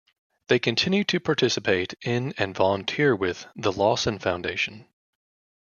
They continue to participate in and volunteer with the Lawson Foundation.